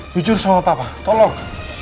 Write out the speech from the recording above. jujur sama papa tolong